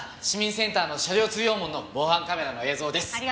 市民センターの車両通用門の防犯カメラの映像です。